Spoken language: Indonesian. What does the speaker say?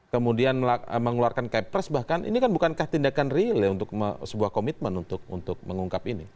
kemudian mengeluarkan kepres bahkan ini kan bukankah tindakan real untuk sebuah komitmen untuk mengungkap ini